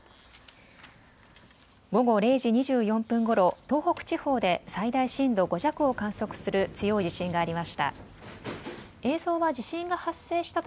午後０時２４分ごろ、東北地方で最大震度５弱を観測する強い地震がありました。